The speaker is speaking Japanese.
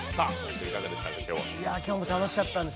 今日も楽しかったです。